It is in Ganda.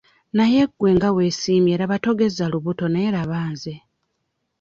Naye gwe nga weesiimye laba togezza lubuto naye laba nze.